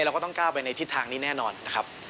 เราก็ต้องก้าวไปในทิศทางนี้แน่นอนนะครับ